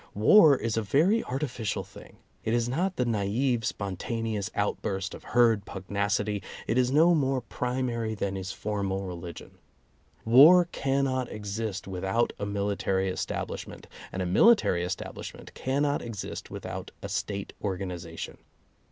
War is a very artificial thing. It is not the naive spontaneous outburst of herd pugnacity; it is no more primary than is formal religion. War cannot exist with out a military establishment, and a military estab lishment cannot exist without a State organization.